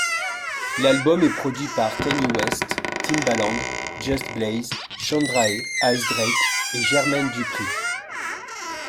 L'album est produit par Kanye West, Timbaland, Just Blaze, Shondrae, Icedrake, et Jermaine Dupri.